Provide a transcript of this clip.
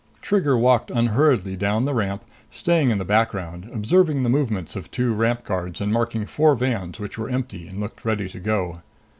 Trigger walked unhurriedly down the ramp, staying in the background, observing the movements of two ramp guards and marking four vans which were empty and looked ready to go.